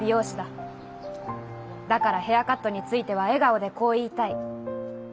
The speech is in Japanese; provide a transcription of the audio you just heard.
だからヘアカットについては笑顔でこう言いたい。